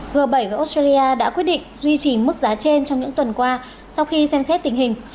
g bảy và australia đã quyết định duy trì mức giá trên trong những tuần qua sau khi xem xét tình hình